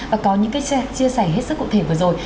và có những cái chia sẻ hết sức cụ thể vừa rồi